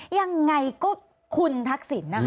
ยังไงก็คุณทักษิณนะคะ